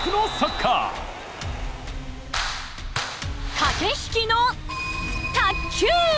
駆け引きの卓球！